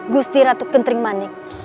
gusti ratu kentering manik